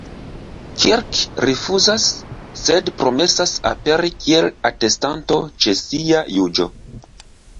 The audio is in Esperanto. Kirk rifuzas, sed promesas aperi kiel atestanto ĉe sia juĝo.